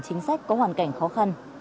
chính sách có hoàn cảnh khó khăn